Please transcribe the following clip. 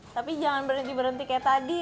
tapi jangan berhenti berhenti kayak tadi